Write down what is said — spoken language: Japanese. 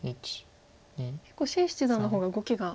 結構謝七段の方が動きが。